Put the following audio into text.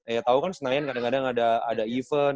eh tau kan senayan kadang kadang ada event